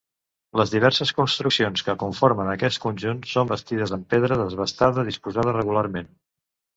Les diverses construccions que conformen aquest conjunt són bastides en pedra desbastada disposada regularment.